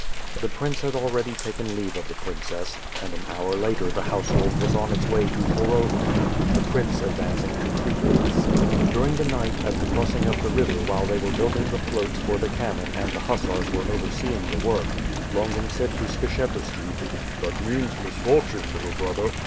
The prince had already taken leave of the princess, and an hour later the household was on its way to Torova; the prince advancing to Pripets. During the night, at the crossing of the river while they were building the floats for the cannon and the hussars were overseeing the work, Longin said to Skshetuski : "That means misfortune, littk brother."